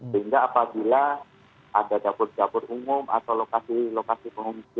sehingga apabila ada dapur dapur umum atau lokasi lokasi yang tidak terbatas